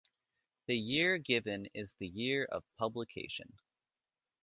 The year given is the year of publication.